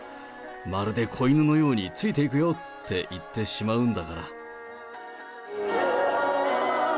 まるで子犬のようについていくよって言ってしまうんだから。